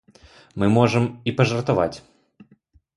Мы можам і пажартаваць.